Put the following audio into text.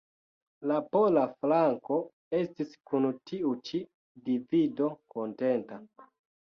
La pola flanko estis kun tiu ĉi divido kontenta.